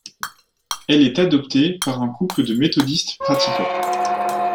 Elle est adoptée par un couple de méthodistes pratiquants.